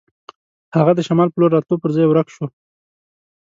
هغه د شمال په لور راتلو پر ځای ورک شو.